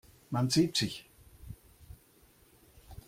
Man sieht sich.